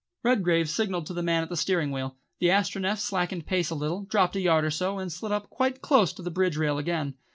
Redgrave signalled to the man at the steering wheel. The Astronef slackened pace a little, dropped a yard or so, and slid up quite close to the bridge rail again.